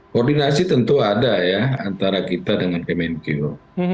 koordinasi tentu ada ya antara kita dengan kemenkeu